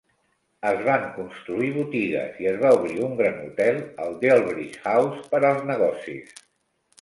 Es van construir botigues i es va obrir un gran hotel, el Delbridge House, per als negocis.